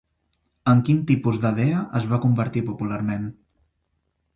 En quin tipus de dea es va convertir popularment?